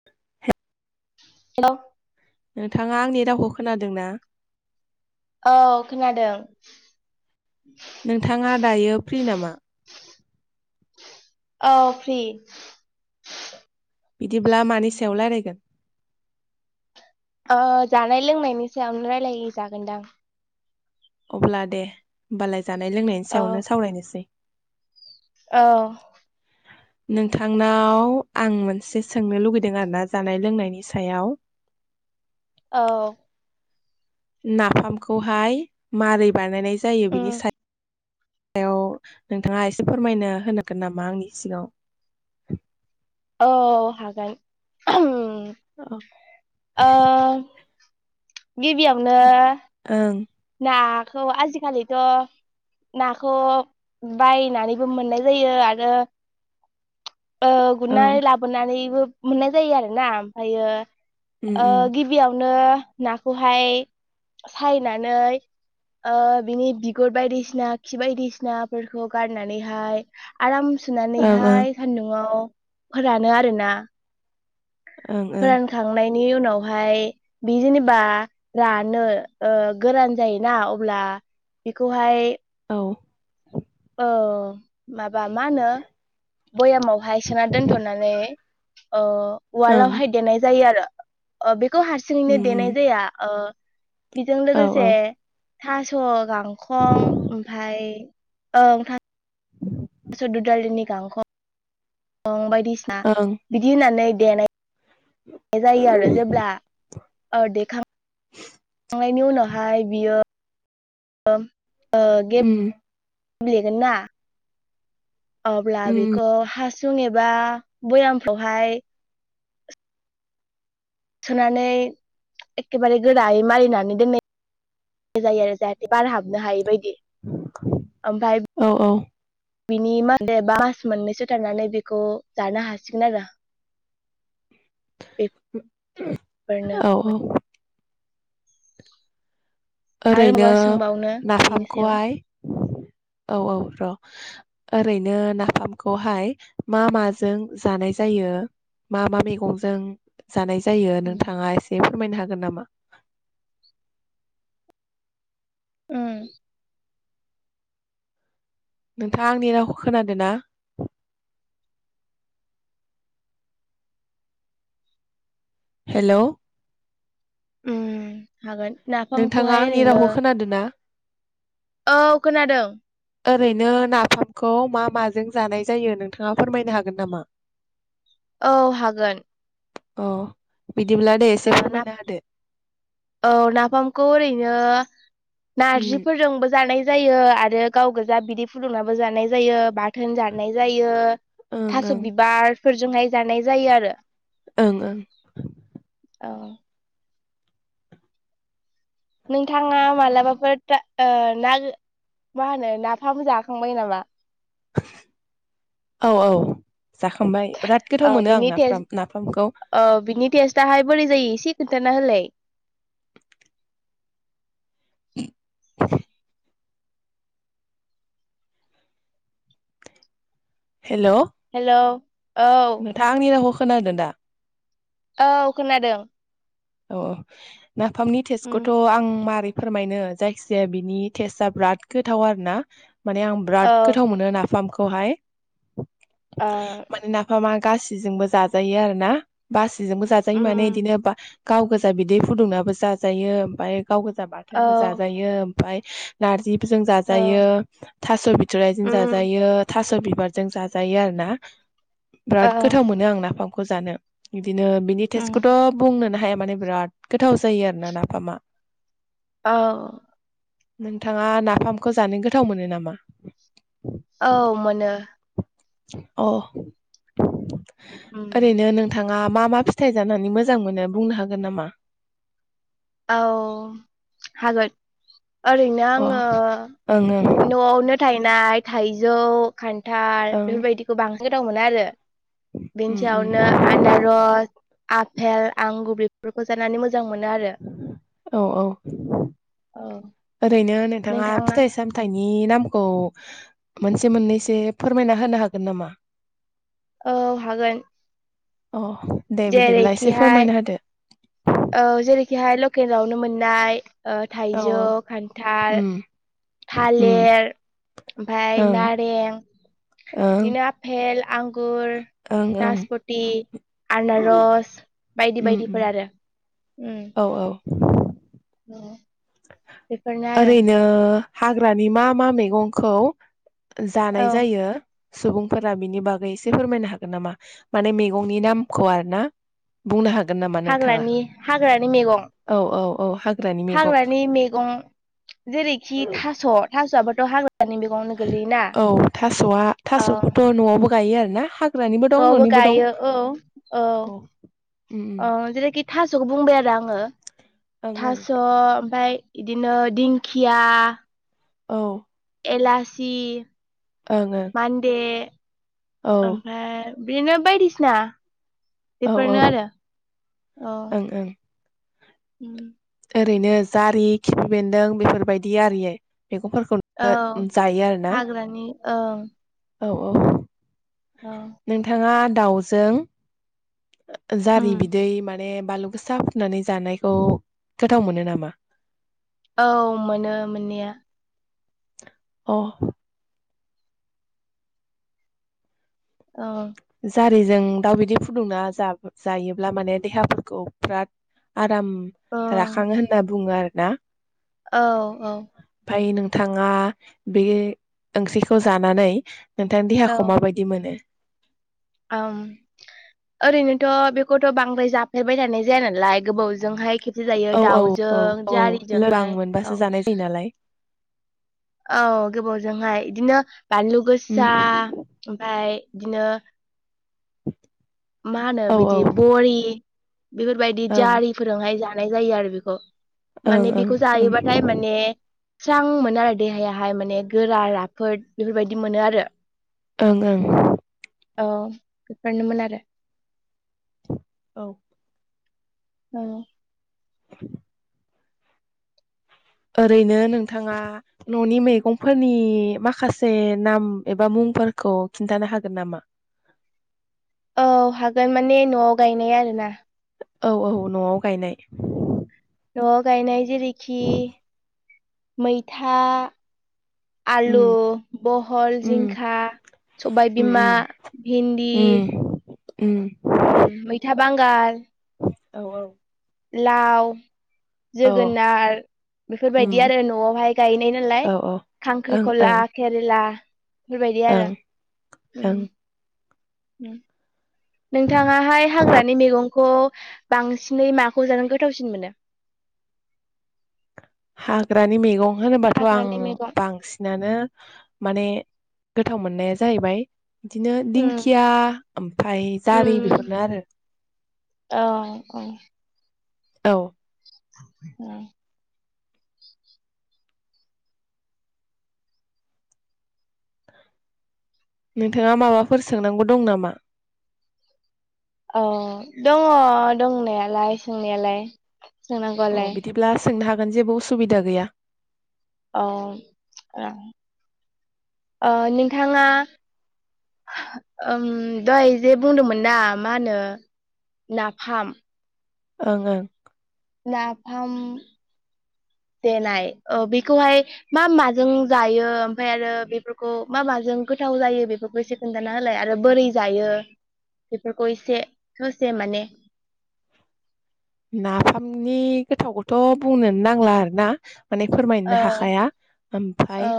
[unintelligible] [unintelligible] नोंथाङा आंनि रावखौ खोनादों ना? औ खोनादों नोंथाङा दायो फ्रि नामा औ फ्रि बिदिब्ला मानि सायाव रायज्लायगोन ओ जानाय लोंनायनि सायावनो रायजलाय जागोनदां अब्ला दे होमबालाय जानाय लोंनायनि सायावनो सावरायनोसै अ [inaudible] नोंथांनाव आं मोनसे सोंनो लुगैदों आरो ना जानाय लोंनायनि सायाव औ नाफामखौहाय मारै बानायनाय जायो उम बिनि सायाव सायाव नोंथाङा एसे फोरमायनो होनांगोन नामा आंनि सिगाङाव औ हागोन ओम ओं ओ गिबियावनो ओं नाखौ आजिखालिथ' नाखौ बायनानैबो मोननाय जायो आरो ओ गुरनानै लाबोनानैबो मोननाय जायो आरो ना ओमफ्रायो उम गि उम गिबियावनो नाखौहाय सायनानै ओ बिनि बिगुर बायदिसिना खि बायदिसिनाफोरखौ गारनानैहाय आराम ओं ओं सुनानैहाय सान्दुंङाव फोरानो आरोना ओं ओं फोरानखांनायनि उनावहाय बे जेनेबा रानो ओ गोरान जायोना अब्ला बेखौहाय औ औ माबा मा होनो भयामाव ओमफाय सोना दोनथ'नानै ओ वालावहाय देनाय जायो आरो ओ बेखौ हारसिङैनो उम देनाय उम जाया ओ बेजों औ औ लोगोसे थास' गांखं ओमफफ्राय ओं था [inaudible] ददाललिनि गांखं गं बायदिसिना ओं बिदि होननानै दे जायो आरो जेब्ला ओ देखांनायनि उनावहाय बियो आ गे उम गेलेगोन ना अब्ला उम बेखौ हासुं एबा बयामफ्रावहाय थुनानै एखेबारे गोरायै मारिनानै दोननाय जायो आरो जाहाथे बार हाबनो हायै बायदि ओमफ्राय औ औ बिनि [unintelligible] मास मोननैसो थानानै बेखौ जानो हासिगोन आरो बेब औ औ आरो ओरैनो माबा सोंबावनो बिनि सायाव नाफामखौहाय औ औ र' ओरैनो नाफामखौहाय मा माजों जानाय जायो मा मा मैगंजों जानाय जायो नोंथाङा एसे फोरमायनो हागोन नामा उम नोंथाङा आंनि रावखौ खोनादों ना हेलौ ओम हागोन नाफामखौहाय ओरैनो खोनादोना औ खोनादों ओरैनो नाफामखौ मा माजों जानाय जायो नोंथाङा फोरमायनो हागोन नामा [inaudible] औ हागोन अ बिदिब्ला दे एसे ओ ना फोरमायना होदो औ नाफामखौ ओरैनो ओं नारजिफोरजोंबो जानाय जायो आरो गाव गोजा बिदै फुदुंनाबो जानाय जायो बा थोन जानाय जायो ओं थास' ओं बिबारफोरजोंहाय जानाय जायो आरो। ओं ओं औ नोंथाङा मालाबाफोर ता- मा होनो नाफाम जाखांबायायो नामा? औ औ जाखांबाय बिराद गोथाव मोनो आं नाफ्रा नाफामखौ ओ बिनि टेस्टआाहाय बोरै जायो एसे खोन्थाना होलाय? उ हेल' हेलौ औ [unintelligible] आंनि रावखौ खोनादों दा? औ खोनादों अ नाफामनि उम टेस्टखौथ' आं मारै फोरमायनो जायखिजाया बिनि टेस्टआ बिराद गोथाव आरो ना माने आं औ बिराद गोथाव मोनो ना फामखौहाय। ओ माने नाफामा गाससिजोंबो जाजायो आरो ना। गासैजोंबो जाजायो माने उम बिदिनो बा गाव गोजा बिदै फुदुंनाबो जाजायो ओमफ्राय गाव गोजा औ बाथोनबो जाजायो ओमफ्राय नारजिफोरजों औ जाजायो थास' बिथ'राइजों उम जाजायो थास' बिबारजों जाजायो आरो ना। औ बिराद गोथाव मोनो आं नाफामखौ जानो बिदिनो बिनि उम टेस्टखौथ' बुंनो नाङा माने बिराद गोथाव जायो आरो ना नाफामा। औ नोंथाङा नाफामखौ जानो गोथाव मोनो नामा? औ मोनो। अ उम। ओरैनो नों नोंथाङा मा मा फिथाइ जानानै मोजां मोनो बुंनो हागोन नामा? औ हागोन ओरैनो अ आङो ओं ओं न'आवनो थायनाय थाइजौ खान्थाल ओं बेफोरबायदिखौ बांसिन गोथाव मोनो आरो। बेनि उम उम सायावनो आनारस आफेल आं गुबुबलिफोरखौ जानानै मोजां मोनो आरो। औ औ औ ओरैनो नोंथाङा फिथाइ साम थाइनि नामखौ मोनसे मोननैसो फोरमायना होनो हागोन नामा? औ हागोन। अ दे बिदिब्ला एसे जेरैखिहाय फोरमायना होदो। औ जेरैखिहाय लकेलावनो मोननाय औ औ थाइजौ खान्थाल उम उम थालिर ओमफफ्राय ओं नारें ओं बिदिनो आफेल आंगुर ओं ओं नासपथि आनारस बायदि उम उम बायदिफोर आरो। उम औ औ औ ओरैनो हाग्रानि मा मा मैगंखौ औ जानाय जायो? सुबुंफोरा बिनि बागै एसे फोरमायनो हागोन नामा माने मैगंनि नामखौ आरो ना। बुंनो हागोन नामा नोंथाङा हाग्रानि हाग्रानि मैगं औ औ औ हाग्रानि मैगं। मैगं जेरैखि थ' थ'बोथ' हाग्रानि मैगंआवनो गोलैयोना औ थास'आ थास'खौथ' न'आवबो गायो आरोना हा नबो गायो औ औ उम औ जेरैखि थास'खौ बुंबाय आरो आङो उम थास' ओमफाय बिदिनो दिंखिया औ एलासि ओं-ओं मान्दे ओमफ्राय बेनो बायदिसिना औ बेफोरनो औ आरो ओं ओं ओम ओरैनो जारि खिफि बेन्दों बेफोरबायदि आरि मैगंफोरखौ औ जायो आरोना हाग्रानि ओं औ-औ औ नोंथाङा दाउजों जारि उम बिदै माने बानलु गोसा फुनानै जानायखौ गोथाव मोनो नामा औ मोनो मोननाया अ औ जारिजों दाउ बिदै फुदुंना जायोब्ला माने देहाफोरखौ बिराद आराम ओं राखांङो होनना बुङो आरोना औ-औ ओमफाय नोंथाङा बे ओंख्रिखौ जानानै नोंथां देहाखौ माबायदि मोनो ओं ओरैनोथ' बे खौथ' बांद्राय जाफ्लेबाय थानाय जाया नालाय गोबावजोंहाय खे [unintelligible] जायो औ औ औ दाउजों औ जारि लोरबां जोंहाय मोनबासो औ जानाय जायो नालाय औ गोबावजोंहाय बिदिनो बानलु उम गोसा ओमफ्राय बिदिनो [inaudible] मा होनो औ औ बिदि बरि बेफोरबायदि ओं जारि फोरजोंहाय जानाय जायो आरो बेखौ ओं माने बेखौ ओं ओं जायोबाथाय माने स्रां मोनो आरो देहायाहाय माने गोरा राफोद बेफोरबायदि मोनो आरो ओं ओं औ बेफोरनोमोन आरो औ औ [inaudible] ओरैनो नोंथाङा न'नि मैगंफोरनि माखासे नाम एबा मुंफोरखौ खिन्थानो हागोन नामा औ हागोन माने न'आव गायनाय आरो ना औ-औ न'आव गायनाय न'आव गायनाय जेरैखि मैथा आलु उम बहल उम जिंखा उम सबायबिमा उम भिन्दि उम उम उम मैथा बांगाल औ-औ लाव औ जोगोनार बेफोरबायदि उम आरो न'आवहाय गायनाय नालाय औ औ ओं खांख्रिखला ओं केरेला बेफोरबायदि ओं आरो ओं [inaudible] नोंथाङाहाय हाग्रानि मैगंखौ बांसिनै माखौ जानो गोथावसिन मोनो हाग्रानि मैगं होनोबाथ' आं हाग्रानि मैगं बांसिनानो माने गोथाव मोननाया जाहैबाय इदिनो उम दिंखिया ओमफ्राय जारि उम बेफोरनो आरो औ औ औ ओम नोंथाङा माबाफोर सोंनांगौ दं नामा औ दङ दंनायालाय सोंनायालाय सोंनांगौआलाय ब्ला सोंनो हागोन जेबो उसुबिदा गैया अ ओ ओ नोंथाङा दहाय जे बुंदोंमोन ना मा होनो नाफाम ओं ओं नाफाम देनाय ओ बेखौहाय मा माजों जायो ओमफ्राय आरो बेफोरखौ मा माजों गोथाव जायो बेफोरखौ एसे खोनदाना होलाय आरो बोरै जायो बेफोरखौ एसे ससे माने नाफामनि गोथावखौथ' बुंनोनो नांला आरो ना माने औ फोरमायनो हाखाया ओमफ्राय औ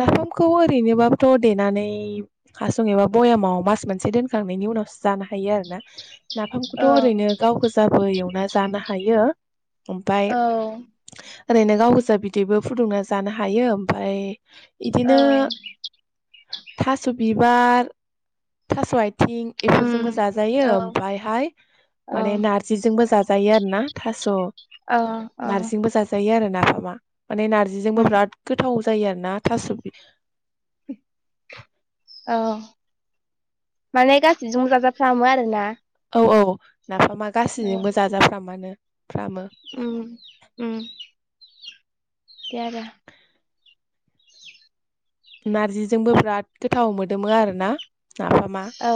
नाफामखौ ओरैनोबाबोथ' देनानै हासुं एबा बयामाव मास मोनसे दोनखांनायनि उनावसो जानो हायो आरो ना नाफामखौथ' औ ओरैनो गाव गोजाबो एवना जानो हायो ओमफाय औ ओरैनो गाव गोजा बिदैबो फुदुंना जानो हायो ओमफाय औ इदिनो थास' बिबार थास' आथिं एफोरजोंबो उम जाजायो औ ओमफ्रायहाय माने नारजिजोंबो जाजायो आरोना थास' औ औ नारजिंबो जाजायो आरो नाफामा माने नार्जिजोंबो उम बिराद गोथाव जायो आरो ना थास' बि औ माने गासैजोंबो जाजा फ्रामो आरोना औ औ नाफामा गासैजोंबो जाजा फ्रामानो फ्रामो ओम उम दे आरो नारजिजोंबो बिराद गोथाव मोदोमो आरो ना नाफामा औ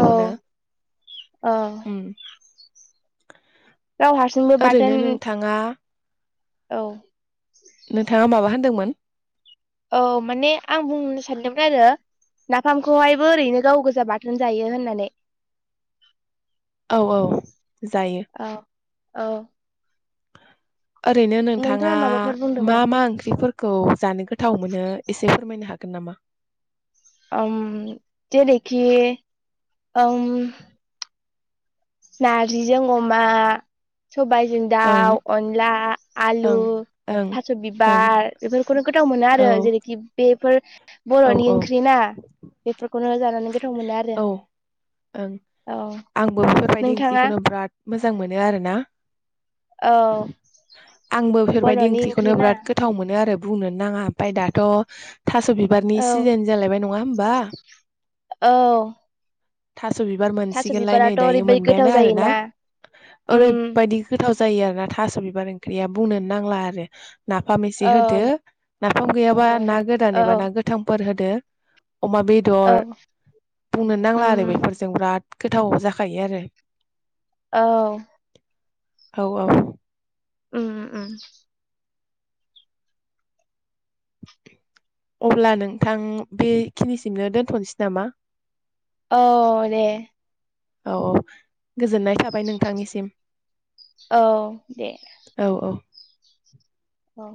औ औ ओम गाव हारसिंबो बाथोन थाङा औ नोंथाङा माबा होनदोंमोन औ माने आं बुंनो सानदोंमोन आरो नाफामखौहायबो ओरैनो गाव गोजा बाथोन जायो होननानै औ औ जायो औ औ ओरैनो नोंथाङा माबाफोर मा बुंदोंमोन मा ओंख्रिफोर खौ जानो गोथाव मोनो एसे फोरमायनो हागोन नामा ओम जेरैखि ओम नारजिजों अमा सबायजों ओं दाउ अनला आलु ओं ओं थास' ओं बिबार बेफोरखौनो गोथाव मोनो आरो औ जेरैखि बेफोर औ बर'नि औ ओंख्रि ना बेफोरखौनो जानानै गोथाव मोनो आ रो औ ओं औ आंबो बेफोरबायदि नोंथाङा ओंख्रिखौनो बिराद मोजां मोनो आरो ना औ आंबो बेफोरबायदि बर'नि ओंख्रिखौनो ओंख्रि ना बिराद गोथ थाव मोनो आरो बुंनोनो नाङा ओमफाय दाथ' थास' बिबारनि औ सिजोन जालायबाय नङा होमबा औ थास' बिबार थास' मोनसिगोनलाय नै बिबाराथ' दायो ओरैबायदि गोथाव मोनबायानो आर ना जायोना उम ओरैबायदि गोथाव जायो आरो ना थास' बिबार ओंख्रिया बुंनोनो नांला आरो नाफाम एसे होदो औ नाफाम गैयाबा नंगौ ना गोदान नंगौ एबा औ ना गो थांफोर होदो अमा बे औ बुंन नांला आरो उम बेफोरजों बिराद गोथाव जाखायो आरो औ औ औ ओम ओम अब्ला नोंथां बेखिनिसिमनो दोन्थ'नोसै नामा औ दे औ औ गोजोननाय थाबाय नोंथांनिसिम औ दे औ औ औ